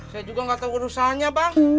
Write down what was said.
saya juga nggak tahu urusannya bang